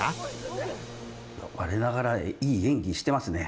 我ながらいい演技してますね。